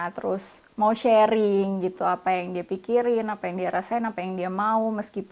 terus mau sharing gitu apa yang dia pikirin apa yang dia rasain apa yang dia mau